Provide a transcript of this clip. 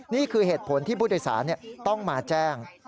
นี่คือเหตุผลที่ผู้โดยสารต้องมาแจ้ง